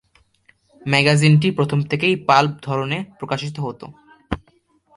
ম্যাগাজিনটি প্রথম থেকেই পাল্প ধরনে প্রকাশিত হত।